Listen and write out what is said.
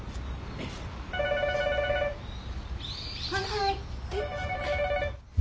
☎はい。